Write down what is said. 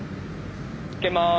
「いけます」。